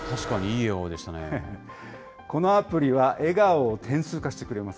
このアプリは笑顔を点数化してくれます。